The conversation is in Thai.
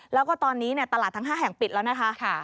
แล้วก็ตอนนี้ตลาดทั้ง๕แห่งปิดแล้วนะคะ